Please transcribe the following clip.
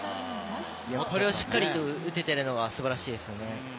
これをしっかりと打てているのが素晴らしいですよね。